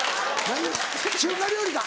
中華料理か？